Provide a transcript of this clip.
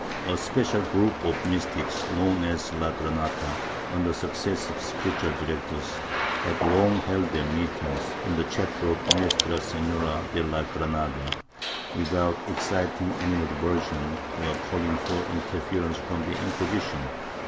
A special group of mystics, known as la Granata, under successive spiritual direc tors, had long held their meetings in the chapel of Nuestra Sehora de la Granada, without exciting animadversion or calling for inter ference from the Inquisition.